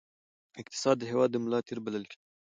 اقتصاد د هېواد د ملا تیر بلل کېږي.